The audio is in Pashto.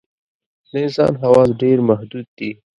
د انسان حواس ډېر محدود دي.